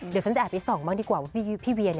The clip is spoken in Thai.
เดี๋ยวฉันจะแอบไปส่องบ้างดีกว่าว่าพี่เวีย